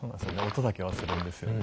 音だけはするんですよね。